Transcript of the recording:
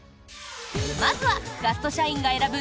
まずはガスト社員が選ぶ